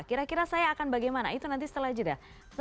kira kira saya akan bagaimana itu nanti setelah jeda